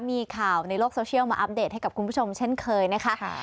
มีข่าวในโลกโซเชียลมาอัปเดตให้กับคุณผู้ชมเช่นเคยนะคะ